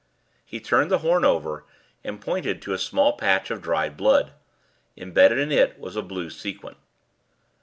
He turned the horn over, and pointed to a small patch of dried blood. Embedded in it was a blue sequin.